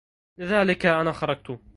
لذلك أنا خرجت